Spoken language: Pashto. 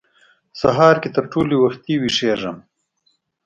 سهار کې تر ټولو وختي وېښ کېږم.